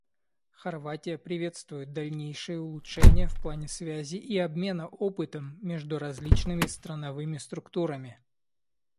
Хорватия приветствует дальнейшие улучшения в плане связи и обмена опытом между различными страновыми структурами.